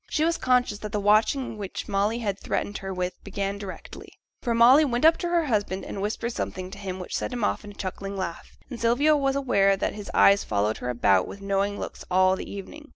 She was conscious that the watching which Molly had threatened her with began directly; for Molly went up to her husband, and whispered something to him which set him off in a chuckling laugh, and Sylvia was aware that his eyes followed her about with knowing looks all the evening.